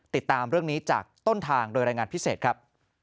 ติดตามเรื่องนี้จากต้นทางโดยรายงานพิเศษครับ